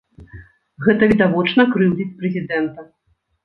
Гэта відавочна крыўдзіць прэзідэнта.